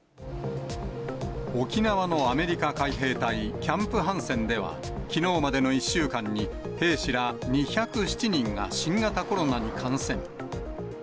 沖縄のアメリカ海兵隊、キャンプ・ハンセンでは、きのうまでの１週間に、兵士ら２０７人が新型コロナに感染。